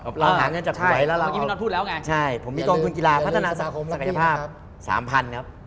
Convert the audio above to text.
อ๋อใช่ตอนนี้พี่นอทพูดแล้วไงีกว่ามีกองทุนกีฬาพัฒนาศักยภาพ๓๐๐๐ครับ